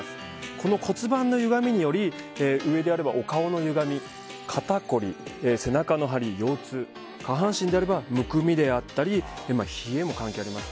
この骨盤のゆがみにより上であれば、お顔のゆがみ肩こり、背中の張り、腰痛下半身であればむくみであったり冷えも関係あります。